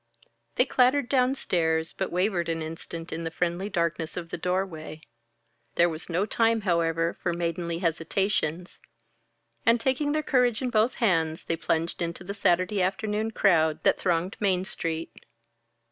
They clattered downstairs, but wavered an instant in the friendly darkness of the doorway; there was no time, however, for maidenly hesitations, and taking their courage in both hands, they plunged into the Saturday afternoon crowd that thronged Main Street.